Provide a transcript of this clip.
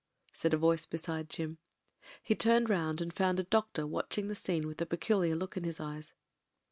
said a voice beside Jim. He turned round and found a doctor watching^ the scene with a peculiar look in his eyes.